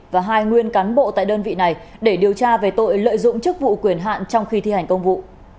và hai nguyên cán bộ tại đơn vị này để điều tra về tội lợi dụng chức vụ quyền hạn trong khi thi hành công vụ